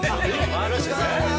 よろしくお願いします。